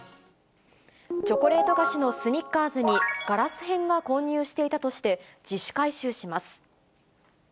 チョコレート菓子のスニッカーズにガラス片が混入していたとして、自主回収します。